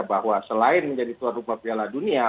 bahwa selain menjadi tuan rumah piala dunia